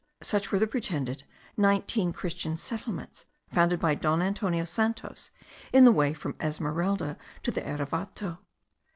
Such were the pretended nineteen Christian settlements founded by Don Antonio Santos in the way from Esmeralda to the Erevato.